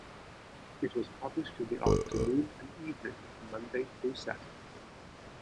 It was published in the afternoon and evening Monday through Saturday.